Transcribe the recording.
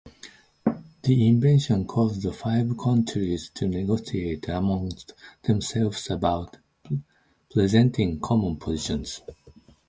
The invitation caused the five countries to negotiate amongst themselves about presenting common positions.